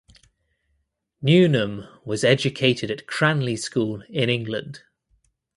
Newnham was educated at Cranleigh School in England.